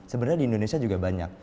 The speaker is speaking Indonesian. sebenarnya di indonesia juga banyak